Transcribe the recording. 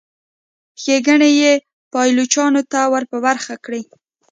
ښېګڼې یې پایلوچانو ته ور په برخه کړي.